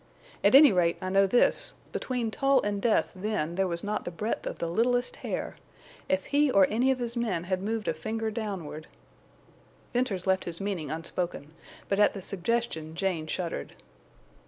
At any rate, I know this, between Tull and death then there was not the breadth of the littlest hair. If he or any of his men had moved a finger downward—" Venters left his meaning unspoken, but at the suggestion Jane shuddered.